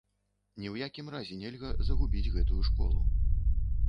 Ні ў якім разе нельга загубіць гэтую школу.